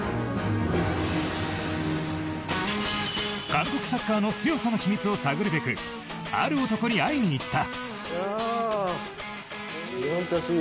韓国サッカーの強さの秘密を探るべくある男に会いに行った。